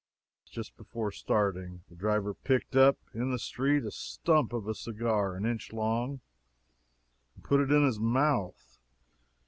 Just before starting, the driver picked up, in the street, a stump of a cigar an inch long, and put it in his mouth.